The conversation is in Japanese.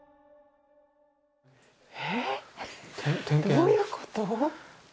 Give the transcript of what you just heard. えっどういうこと？